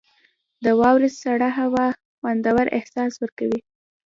• د واورې سړه هوا خوندور احساس ورکوي.